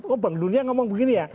oh bank dunia ngomong begini ya